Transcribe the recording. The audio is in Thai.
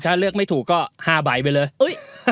ถ้าเลือกไม่ถูกก็๕ใบไปเลย